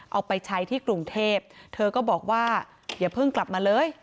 เอาไปใช้ที่กรุงเทพเธอก็บอกว่าอย่าเพิ่งกลับมาเลย